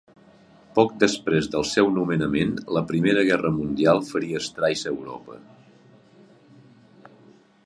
Poc després del seu nomenament, la Primera Guerra Mundial faria estralls a Europa.